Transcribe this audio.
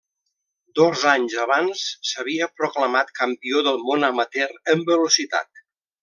Dos anys abans s'havia proclamat campió del món amateur en velocitat.